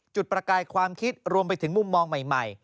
ประกายความคิดรวมไปถึงมุมมองใหม่